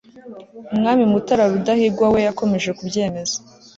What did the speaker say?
umwami mutara rudahigwa we yakomeje kubyemeza